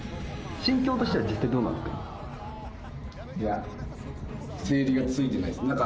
心境としては実際どうなんですか。